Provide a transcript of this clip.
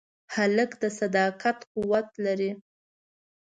هلک د صداقت قوت لري.